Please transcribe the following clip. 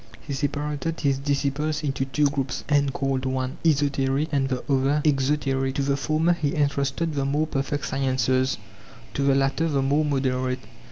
He separated his disciples into two groups, and called one esoteric, and the other exoteric. To the former he entrusted the more perfect sciences, to the latter the more moderate.